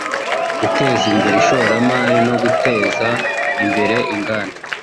guteza imbere ishoramari no guteza imbere inganda